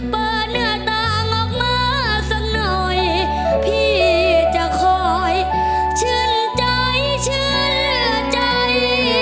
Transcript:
เปิดหน้าต่างออกมาสักหน่อยพี่จะคอยชื่นใจเชื่อใจ